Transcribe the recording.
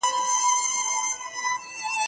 اورخونه کي ډوډۍ توده ده دستي یې وخورئ.